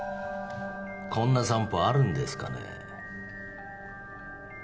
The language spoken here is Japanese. こんな散歩あるんですかね？